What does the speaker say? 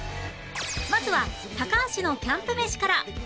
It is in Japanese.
まずは高橋のキャンプ飯から